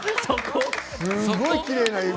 すごいきれいな指。